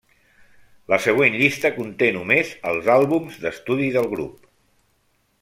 La següent llista conté només els àlbums d'estudi del grup.